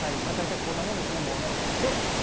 大体こんなもんですね、もうね。